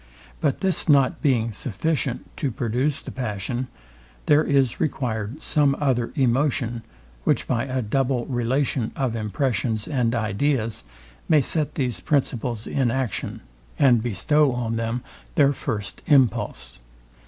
But this not being sufficient to produce the passion, there is required some other emotion, which by a double relation of impressions and ideas may set these principles in action, and bestow on them their first impulse.